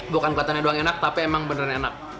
bukan kelihatannya doang enak tapi emang beneran enak